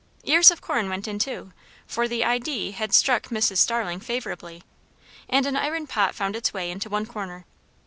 Ears of corn went in too, for the "idee" had struck Mrs. Starling favourably, and an iron pot found its way into one corner.